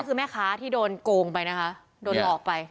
ก็คือแม่ค้าที่โดนโกงไปนะคะโดนหลอกไป